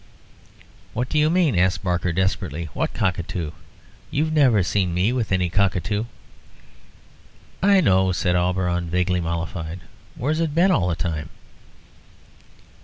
"What do you mean?" asked Barker, desperately. "What cockatoo? You've never seen me with any cockatoo!" "I know," said Auberon, vaguely mollified. "Where's it been all the time?"